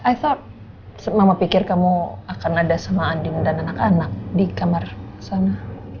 iso mama pikir kamu akan ada sama andin dan anak anak di kamar sana